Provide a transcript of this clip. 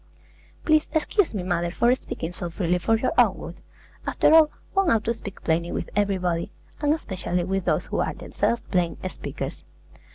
Please excuse me, mother, for speaking so freely for your own good. After all, one ought to speak plainly with everybody, and especially with those who are themselves plain speakers.